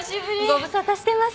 ご無沙汰してます。